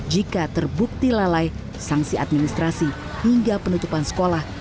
jika terbukti lalai sanksi administrasi hingga penutupan sekolah